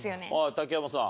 竹山さん。